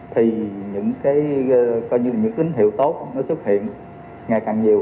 thì những tín hiệu tốt nó xuất hiện ngày càng nhiều